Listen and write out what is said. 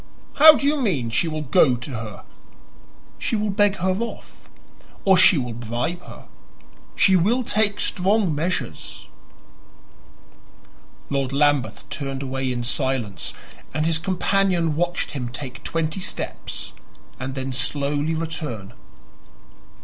"How do you mean she will go to her?" "She will beg her off, or she will bribe her. She will take strong measures." Lord Lambeth turned away in silence, and his companion watched him take twenty steps and then slowly return.